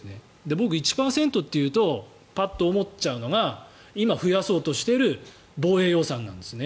僕、１％というとパッと思っちゃうのが今、増やそうとしている防衛予算なんですね。